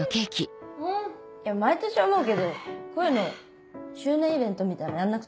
毎年思うけどこういうの周年イベントみたいのやんなくていいの？